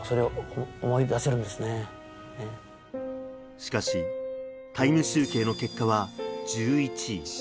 しかし、タイム集計の結果は１１位。